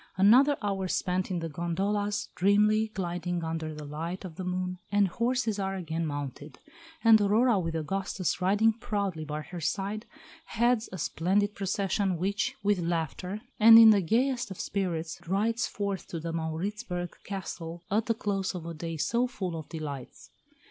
Another hour spent in the gondolas, dreamily gliding under the light of the moon, and horses are again mounted; and Aurora, with Augustus riding proudly by her side, heads the splendid procession which, with laughter, and in the gayest of spirits, rides forth to the Mauritzburg Castle at the close of a day so full of delights.